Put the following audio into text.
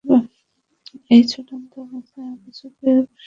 এই ছুটন্ত অবস্থায় আবু সুফিয়ান বর্শা উঁচু করে লক্ষ্যপানে নিক্ষেপ করে।